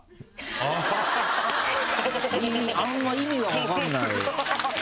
あんま意味が分かんない。